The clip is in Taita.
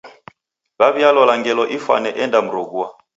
Waw'ialola ngelo ifwane endamroghua.